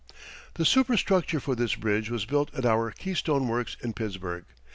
] The superstructure for this bridge was built at our Keystone Works in Pittsburgh.